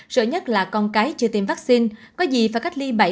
sợ nhất là con cái chưa tiêm vaccine có gì phải cách ly bậy